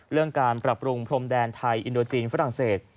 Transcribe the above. เรื่องการปรับปรุงพรมแดนไทยอินโดจีนฝรั่งเศส